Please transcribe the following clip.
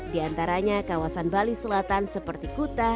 di antaranya kawasan bali selatan seperti kudus kudus dan kudus